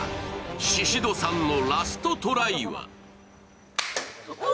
シシドさんのラストトライは？